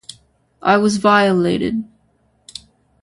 I was violated.